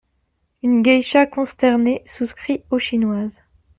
Une geisha consternée souscrit aux chinoises.